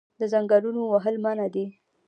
د ځنګلونو وهل منع دي